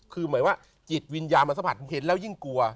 คือหมายว่าจิตวิญญาณมันสัมผัสผมเห็นแล้วยิ่งกลัว